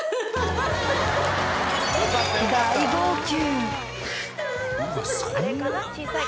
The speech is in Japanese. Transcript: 大号泣